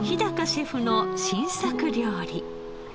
シェフの新作料理。